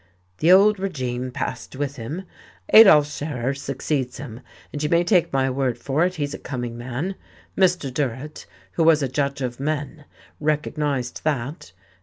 "The old regime passed with him. Adolf Scherer succeeds him, and you may take my word for it, he's a coming man. Mr. Durrett, who was a judge of men, recognized that.